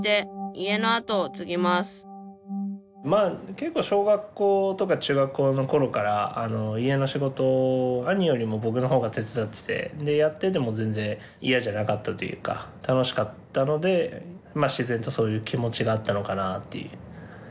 結構小学校とか中学校の頃から家の仕事を兄よりも僕の方が手伝っててやってても全然嫌じゃなかったというか楽しかったので自然とそういう気持ちがあったのかなっていう。